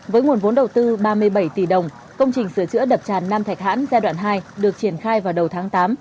với nguồn vốn đầu tư ba mươi bảy tỷ đồng công trình sửa chữa đập tràn nam thạch hãn giai đoạn hai được triển khai vào đầu tháng tám